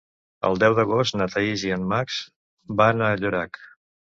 El deu d'agost na Thaís i en Max van a Llorac.